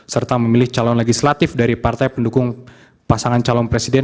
serta memilih calon legislatif dari partai pendukung pasangan calon presiden